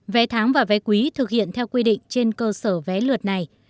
vé tháng và vé quý thực hiện theo quy định trên cơ sở vé lượt này